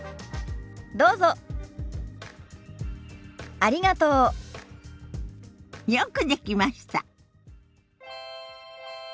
ありがとう。よくできました。